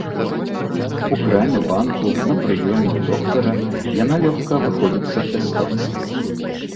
У краме, банку, на прыёме ў доктара яна лёгка абыходзіцца эстонскай.